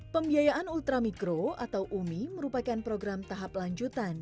pembiayaan ultramikro atau umi merupakan program tahap lanjutan